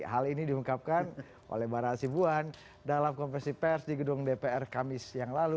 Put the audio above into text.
hal ini diungkapkan oleh bara asibuan dalam konversi pers di gedung dpr kamis yang lalu